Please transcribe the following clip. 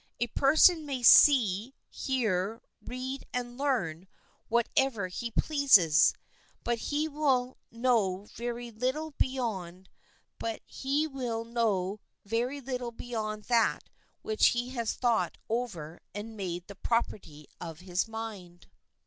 A person may see, hear, read, and learn whatever he pleases; but he will know very little beyond that which he has thought over and made the property of his mind.